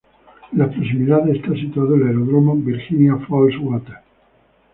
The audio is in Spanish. En las proximidades está situado el aeródromo Virginia Falls Water.